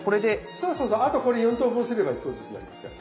そうそうそうあとこれ４等分すれば１個ずつになりますから。